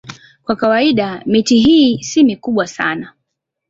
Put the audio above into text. Kwa kawaida miti hii si mikubwa sana.